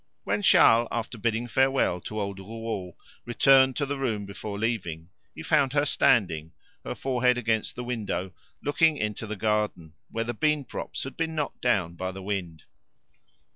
When Charles, after bidding farewell to old Rouault, returned to the room before leaving, he found her standing, her forehead against the window, looking into the garden, where the bean props had been knocked down by the wind.